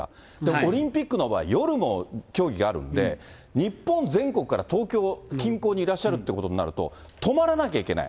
オリンピックの場合、夜も競技があるんで、日本全国から東京近郊にいらっしゃるってことになると、泊まらなきゃいけない。